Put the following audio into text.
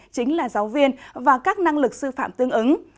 chính là giáo viên và các năng lực sư phạm tương ứng